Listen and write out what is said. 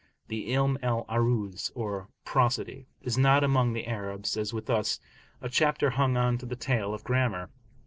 The 'Ilm al 'Aruz, or Prosody, is not among the Arabs, as with us, a chapter hung on to the tail of grammar.